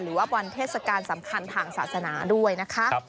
หรือว่าวันเทศกาลสำคัญทางศาสนาด้วยนะคะ